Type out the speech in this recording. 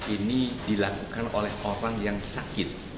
ini dilakukan oleh orang yang sakit